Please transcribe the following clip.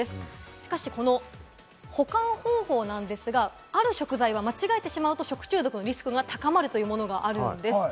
しかしこの保管方法なんですが、ある食材は間違えてしまうと食中毒のリスクが高まるというものがあるんです。